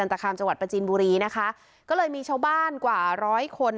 ประจันทคารจวัตรประจีนบุรีนะคะก็มีชาวบ้านกว่าร้อยคน